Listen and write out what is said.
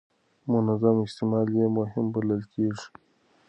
منظم استعمال یې مهم بلل کېږي.